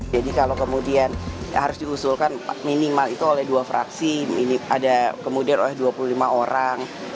jadi kalau kemudian harus diusulkan minimal itu oleh dua fraksi ada kemudian oleh dua puluh lima orang